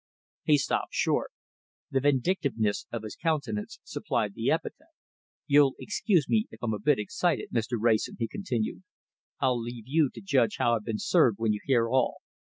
He stopped short. The vindictiveness of his countenance supplied the epithet. "You'll excuse me if I'm a bit excited, Mr. Wrayson," he continued. "I'll leave you to judge how I've been served when you hear all.